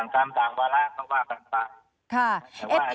ตรงก้างว่าร่าเองขึ้นคันกันฝัง